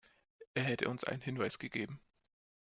Er hätte uns einen Hinweis gegeben.